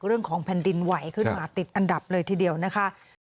เรื่องของแผ่นดินไหวขึ้นมาติดอันดับเลยทีเดียวนะคะ